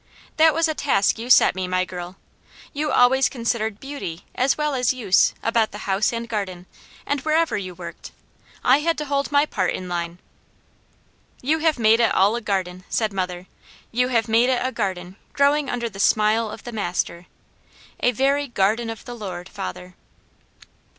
That was a task you set me, my girl. You always considered BEAUTY as well as USE about the house and garden, and wherever you worked. I had to hold my part in line." "You have made it all a garden," said mother. "You have made it a garden growing under the smile of the Master; a very garden of the Lord, father."